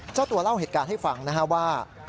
เจ้าตัวเล่าเหตุการณ์ให้ฟังนะฮะว่า